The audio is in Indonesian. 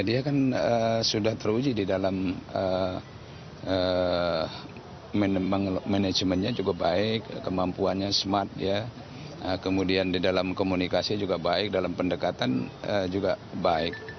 dia kan sudah teruji di dalam manajemennya cukup baik kemampuannya smart ya kemudian di dalam komunikasi juga baik dalam pendekatan juga baik